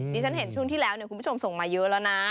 ฉันเห็นช่วงที่แล้วคุณผู้ชมส่งมาเยอะแล้วนะ